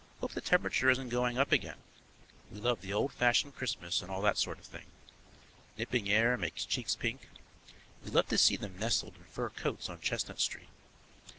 Hope the temperature isn't going up again. We love the old fashioned Christmas and all that sort of thing. Nipping air makes cheeks pink; we love to see them nestled in fur coats on Chestnut Street.